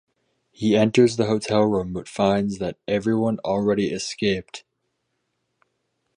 He enters the hotel room but finds that everyone already escaped.